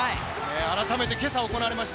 改めて今朝行われました